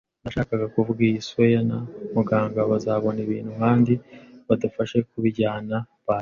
Ndashaka kuvuga iyi squire na muganga bazabona ibintu, kandi badufashe kubijyana, by